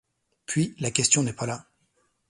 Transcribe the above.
Puis, la question n’est pas là.